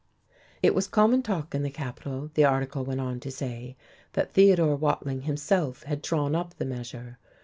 It was common talk in the capital, the article went on to say, that Theodore Watling himself had drawn up the measure....